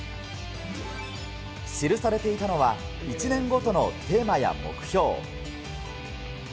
記されていたのは１年ごとのテーマや目標。